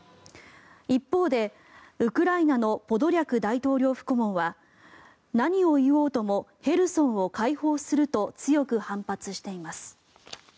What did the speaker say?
一方で、ウクライナのポドリャク大統領府顧問は何を言おうともヘルソンを解放すると強く反発しています。